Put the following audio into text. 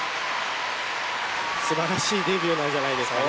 すばらしいデビューなんじゃないですかね。